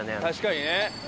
確かにね。